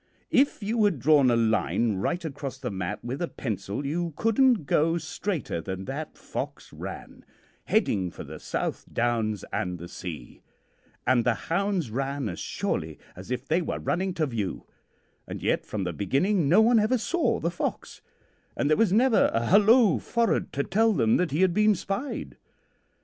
If you had drawn a line right across the map with a pencil you couldn't go straighter than that fox ran, heading for the South Downs and the sea, and the hounds ran as surely as if they were running to view, and yet from the beginning no one ever saw the fox, and there was never a hallo forrard to tell them that he had been spied.